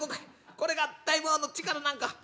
これが大魔王の力なんか！」。